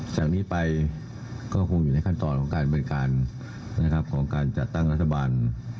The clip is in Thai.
จากนี้ไปก็คงอยู่ในขั้นตอนของการบริการของการจัดตั้งรัฐบาล